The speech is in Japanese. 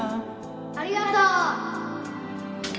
ありがとう！